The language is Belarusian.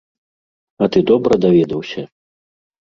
А ты добра даведаўся?